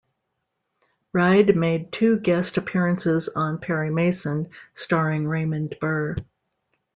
Reid made two guest appearances on "Perry Mason" starring Raymond Burr.